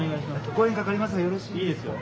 ５円かかりますがよろしいですか？